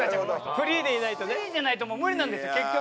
フリーじゃないともう無理なんですよ結局。